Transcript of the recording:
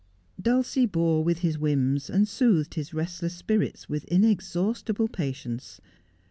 Dulcie bore with his whims, and soothed his restless spirits with inexhaustible patience.